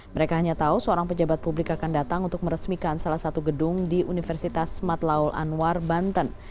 mereka hanya tahu seorang pejabat publik akan datang untuk meresmikan salah satu gedung di universitas matlaul anwar banten